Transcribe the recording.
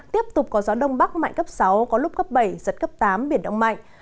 tiếp tục có gió đông bắc mạnh cấp sáu có lúc cấp bảy giật cấp tám biển động mạnh